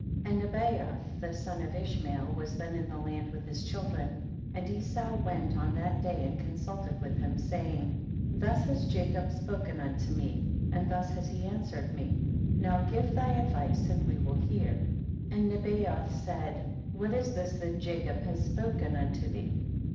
20. And Nebayoth, the son of Ish mael, was then in the land with his children, and Esau went on that day and consulted with him, saying, 21. Thus has Jacob spoken unto me, and thus has he answered me, now give thy advice and we will hear. 22. And Nebayoth said, what is this that Jacob hath spoken unto thee